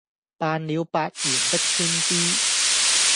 辦了八元的川資，